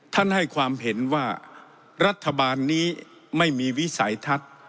ให้ความเห็นว่ารัฐบาลนี้ไม่มีวิสัยทัศน์